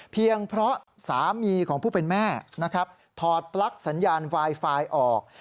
เพราะสามีของผู้เป็นแม่นะครับถอดปลั๊กสัญญาณไวไฟออก